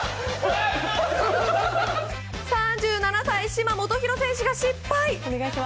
３７歳、嶋基宏選手が失敗。